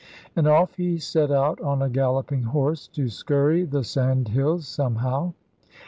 And off he set out on a galloping horse, to scurry the sandhills somehow.